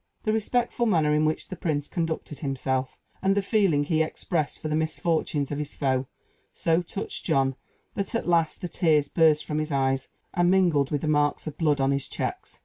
The respectful manner in which the prince conducted himself, and the feeling he expressed for the misfortunes of his foe, so touched John, that at last the tears burst from his eyes, and mingled with the marks of blood on his checks.